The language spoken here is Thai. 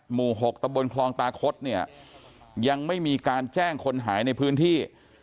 หมู่๖ตะบนคลองตาคดเนี่ยยังไม่มีการแจ้งคนหายในพื้นที่